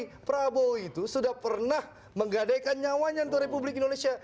tapi prabowo itu sudah pernah menggadaikan nyawanya untuk republik indonesia